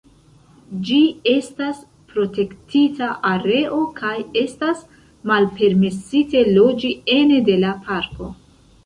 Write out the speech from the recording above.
Ĝi estas protektita areo kaj estas malpermesite loĝi ene de la parko.